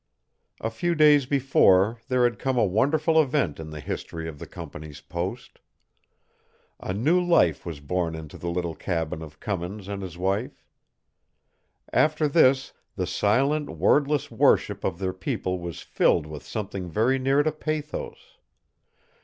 A few days before there had come a wonderful event in the history of the company's post. A new life was born into the little cabin of Cummins and his wife. After this the silent, wordless worship of their people was filled with something very near to pathos.